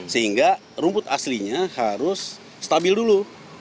sehingga rumput aslinya harus stabil dulu